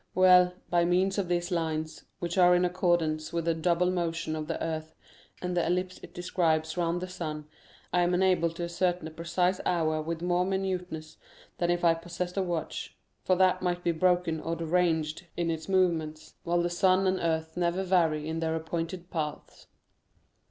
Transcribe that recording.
Well, by means of these lines, which are in accordance with the double motion of the earth, and the ellipse it describes round the sun, I am enabled to ascertain the precise hour with more minuteness than if I possessed a watch; for that might be broken or deranged in its movements, while the sun and earth never vary in their appointed paths."